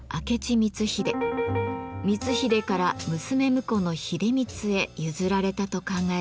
光秀から娘婿の秀満へ譲られたと考えられています。